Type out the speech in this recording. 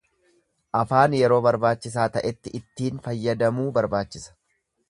Afaan yeroo barbaachisaa ta'etti ittiin fayyadamuu barbaachisa.